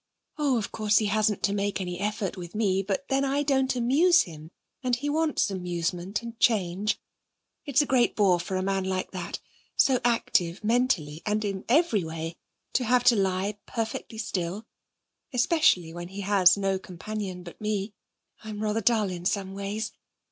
'Oh, of course, he hasn't to make any effort with me. But then I don't amuse him, and he wants amusement, and change. It's a great bore for a man like that so active mentally, and in every way to have to lie perfectly still, especially when he has no companion but me. I'm rather dull in some ways.